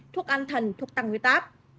thuốc an thần thuốc tăng huyết áp